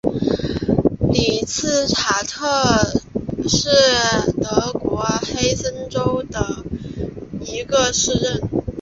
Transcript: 里茨塔特是德国黑森州的一个市镇。